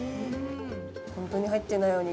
本当に入ってないお肉。